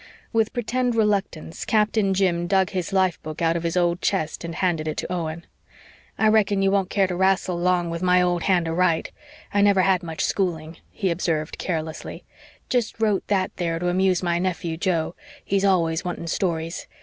With pretended reluctance Captain Jim dug his life book out of his old chest and handed it to Owen. "I reckon you won't care to wrastle long with my old hand o' write. I never had much schooling," he observed carelessly. "Just wrote that there to amuse my nephew Joe. He's always wanting stories.